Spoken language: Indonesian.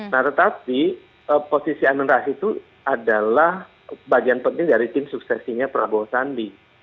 nah tetapi posisi amin rais itu adalah bagian penting dari tim suksesinya prabowo sandi